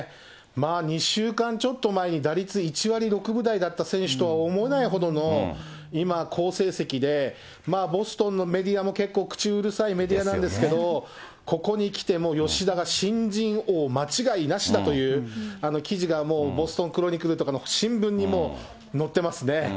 ２週間ちょっと前に打率１割６分台だった選手とは思えないほどの、今、好成績で、ボストンのメディアも結構、口うるさいメディアなんですけれども、ここに来てもう吉田が新人王間違いなしだという記事がもう、ボストンクロニクルなどの新聞にもう載ってますね。